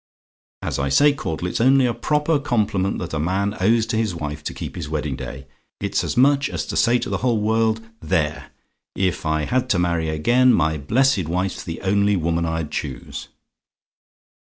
"As I say, Caudle, it's only a proper compliment that a man owes to his wife to keep his wedding day. It's as much as to say to the whole world 'There! if I had to marry again, my blessed wife's the only woman I'd choose!'